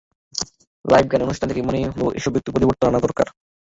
Live গানের অনুষ্ঠান দেখে মনে হলো, এসবে একটু পরিবর্তন আনা দরকার।